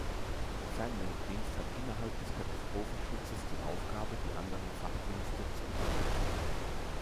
Der Fernmeldedienst hat innerhalb des Katastrophenschutzes die Aufgabe die anderen Fachdienste zu unterstützen.